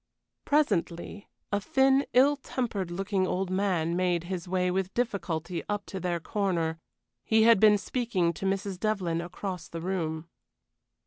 Presently, a thin, ill tempered looking old man made his way with difficulty up to their corner; he had been speaking to Mrs. Devlyn across the room.